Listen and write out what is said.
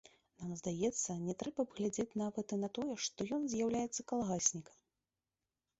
Нам здаецца, не трэба б глядзець нават і на тое, што ён з'яўляецца калгаснікам.